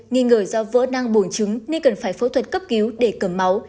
nghi ngờ do vỡ năng buổng trứng nên cần phải phẫu thuật cấp cứu để cầm máu